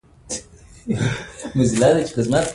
د اوبو د سرچینو ساتنه د هر انسان اخلاقي او ایماني مسؤلیت دی.